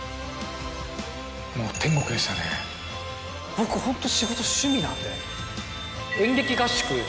僕ホント。